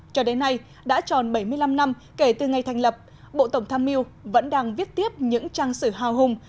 cho đến nay đã tròn bảy mươi năm năm kể từ ngày thành lập bộ tổng tham miu vẫn đang viết tiếp những trang sử hào hùng